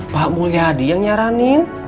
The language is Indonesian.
pak mulyadi yang nyaranin